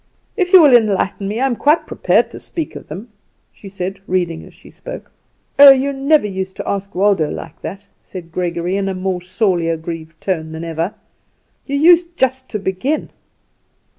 If you will enlighten me I am quite prepared to speak of them," she said, reading as she spoke. "Oh, you never used to ask Waldo like that," said Gregory, in a more sorely aggrieved tone than ever. "You used just to begin."